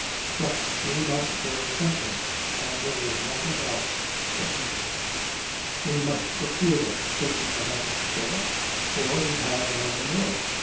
... But we must grow something, and there is nothing else but wheat. We must procure a certain amount of straw, or we'd have no manure.